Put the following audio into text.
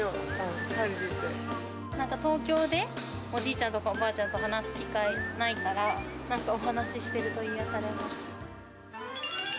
なんか東京で、おじいちゃんとかおばあちゃんと話す機会ないから、なんかお話してると癒やされます。